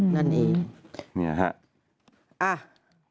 นั่นเองนี่แหละฮะ